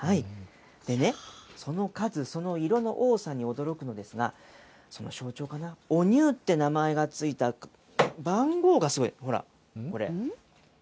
でね、その数、その色の多さに驚くんですが、その象徴かな、おニューという名前が付いた番号がすごい、ほら、これ。